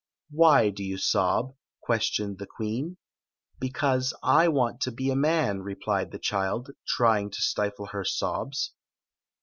"Why do you sob?" questioned the queen. " Because I want to be a man," replied the child, trying to stifle her sobs.